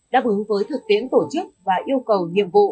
đáp ứng với thực tiễn tổ chức và yêu cầu nhiệm vụ